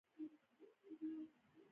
په چیني پیاله کې یې چاینکه وڅڅوله.